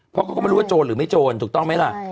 เพราะเขาก็ไม่รู้ว่าโจรหรือไม่โจรถูกต้องไหมล่ะ